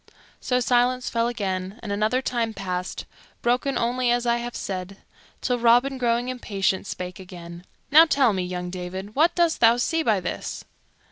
So silence fell again and another time passed, broken only as I have said, till Robin, growing impatient, spake again. "Now tell me, young David, what dost thou see by this?"